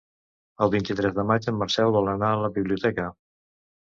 El vint-i-tres de maig en Marcel vol anar a la biblioteca.